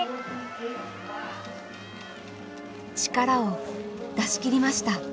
力を出しきりました。